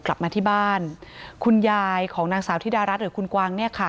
กลับมาที่บ้านคุณยายของนางสาวธิดารัฐหรือคุณกวางเนี่ยค่ะ